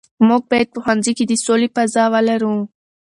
موږ باید په ښوونځي کې د سولې فضا ولرو.